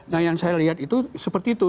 nah yang saya lihat itu seperti itu